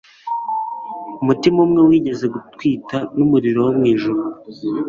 Umutima umwe wigeze gutwita numuriro wo mwijuru;